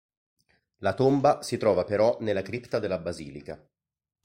La tomba si trova però nella cripta della Basilica.